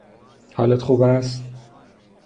حالت خوب است؟